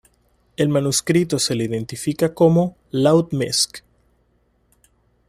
Al manuscrito se le identifica como "Laud Misc.